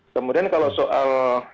kemudian kalau soal